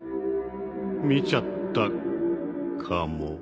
見ちゃったかも。